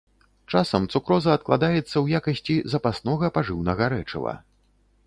Часам цукроза адкладаецца ў якасці запаснога пажыўнага рэчыва.